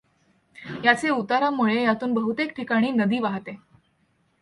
याचे उतारामुळे यातून बहुतेक ठिकाणी नदी वाहते.